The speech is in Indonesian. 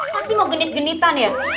pasti mau genit genitan ya